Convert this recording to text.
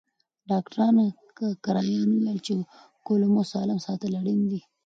ډاکټر کرایان وویل چې کولمو سالم ساتل اړین دي.